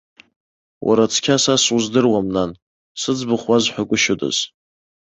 Уара цқьа са суздыруам, нан, сыӡбахә уазҳәагәышьодаз.